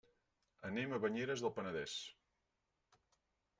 Anem a Banyeres del Penedès.